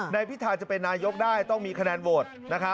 พิธาจะเป็นนายกได้ต้องมีคะแนนโหวต